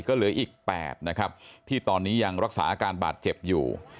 ก็เหลืออีก๘นะครับที่ตอนนี้ยังรักษาอาการบาดเจ็บอยู่